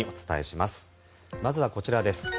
まずはこちらです。